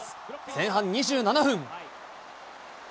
前半２７分。